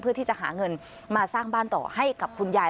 เพื่อที่จะหาเงินมาสร้างบ้านต่อให้กับคุณยาย